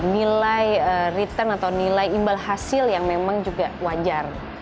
nilai return atau nilai imbal hasil yang memang juga wajar